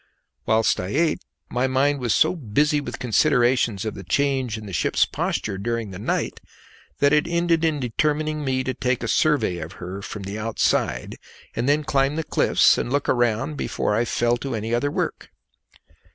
Whilst I ate, my mind was so busy with considerations of the change in the ship's posture during the night that it ended in determining me to take a survey of her from the outside, and then climb the cliffs and look around before I fell to any other work.